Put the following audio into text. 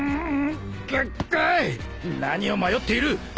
何を迷っている！